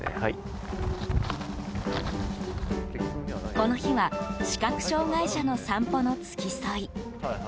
この日は視覚障害者の散歩の付き添い。